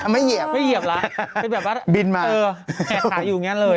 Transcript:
ไม่เหยียบไม่เหยียบละเป็นแบบแห่ขาอยู่อย่างนี้เลย